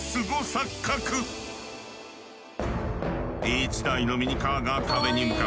一台のミニカーが壁に向かっている。